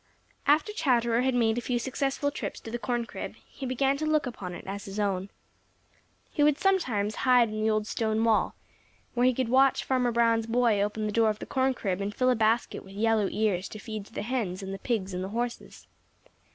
After Chatterer had made a few successful trips to the corn crib, he began to look upon it as his own. He would sometimes hide in the old stone wall, where he could watch Farmer Brown's boy open the door of the corn crib and fill a basket with yellow ears to feed to the hens and the pigs and the horses.